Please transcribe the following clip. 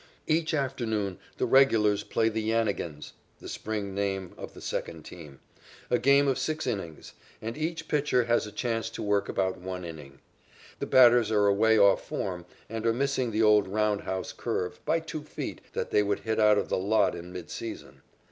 Each afternoon the regulars play the Yannigans (the spring name of the second team) a game of six innings, and each pitcher has a chance to work about one inning. The batters are away off form and are missing the old round house curve by two feet that they would hit out of the lot in mid season.